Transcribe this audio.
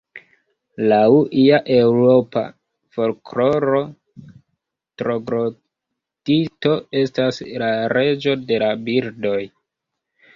Laŭ ia eŭropa folkloro, troglodito estas la Reĝo de la Birdoj.